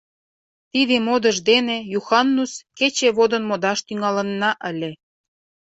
Тиде модыш дене Юханнус кече водын модаш тӱҥалынна ыле.